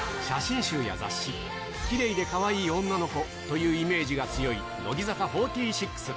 写真集や雑誌、きれいでかわいい女の子というイメージが強い乃木坂４６。